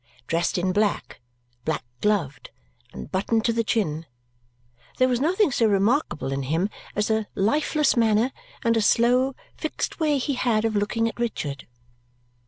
Dressed in black, black gloved, and buttoned to the chin, there was nothing so remarkable in him as a lifeless manner and a slow, fixed way he had of looking at Richard.